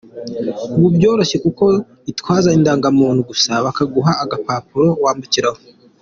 Ubu byaroroshye kuko witwaza indangamuntu gusa, bakaguha agapapuro wambukiraho.